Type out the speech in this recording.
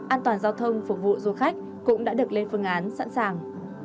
an toàn giao thông phục vụ du khách cũng đã được lên phương án sẵn sàng